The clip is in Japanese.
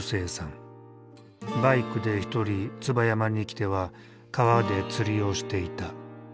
バイクで一人椿山に来ては川で釣りをしていた。